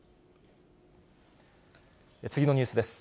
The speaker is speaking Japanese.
次のニュースです。